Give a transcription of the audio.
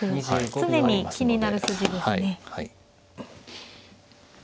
常に気になる筋ですね。